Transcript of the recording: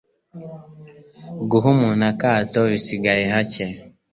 Guha umuntu akato bisigaye hake